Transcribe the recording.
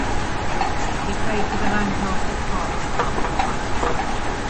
He played for the Lancaster Park club in Christchurch.